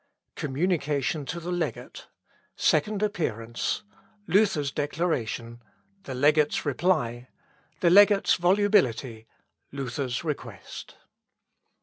Communication to the Legate Second Appearance Luther's Declaration The Legate's Reply The Legate's Volubility Luther's Request.